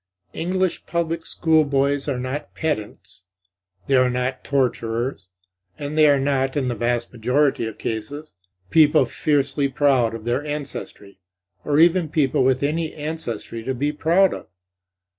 English public school boys are not pedants, they are not torturers; and they are not, in the vast majority of cases, people fiercely proud of their ancestry, or even people with any ancestry to be proud of.